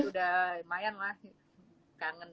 udah lama udah lumayan mas kangen